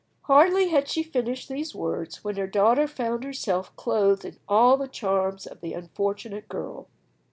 Hardly had she finished these words when her daughter found herself clothed in all the charms of the unfortunate girl.